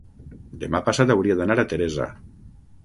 Demà passat hauria d'anar a Teresa.